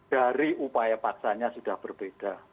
dari upaya paksanya sudah berbeda